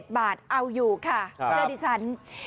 ๑๐บาทเอาอยู่ค่ะเสื้อดิฉัน